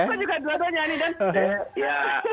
anak anaknya juga dua dua nyanyi dan